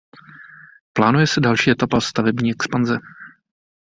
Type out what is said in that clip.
Plánuje se další etapa stavební expanze.